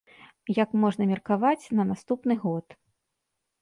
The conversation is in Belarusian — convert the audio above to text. Як можна меркаваць, на наступны год.